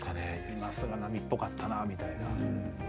今、菅波っぽかったなみたいな。